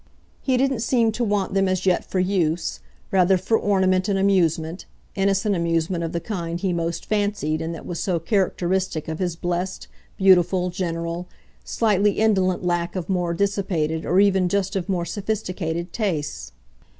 He didn't seem to want them as yet for use rather for ornament and amusement, innocent amusement of the kind he most fancied and that was so characteristic of his blessed, beautiful, general, slightly indolent lack of more dissipated, or even just of more sophisticated, tastes.